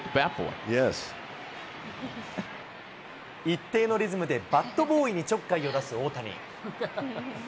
一定のリズムでバットボーイにちょっかいを出す大谷。